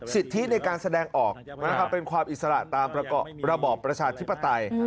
สิทธิในการแสดงออกนะครับเป็นความอิสระตามระบอบประชาธิปไตย